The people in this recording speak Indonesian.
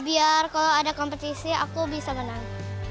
biar kalau ada kompetisi aku bisa menang